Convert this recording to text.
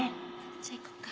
じゃあ行こっか。